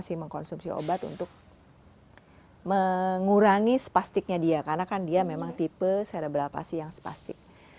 saya mencoba untuk mengurangi spastiknya dia karena dia spastik itu memang tipe serebral pasien spastik